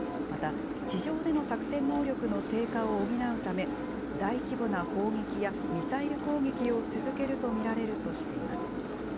また地上での作戦能力の低下を補うため、大規模な砲撃やミサイル攻撃を続けると見られるとしています。